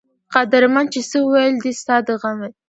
قدرمند چې څۀ وئيل دي ستا د غمه